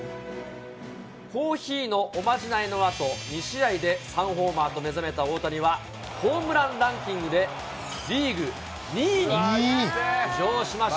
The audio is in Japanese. コーヒーのおまじないのあと、２試合で３ホーマーと目覚めた大谷は、ホームランランキングでリーグ２位に浮上しました。